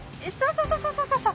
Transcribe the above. そうそうそうそう。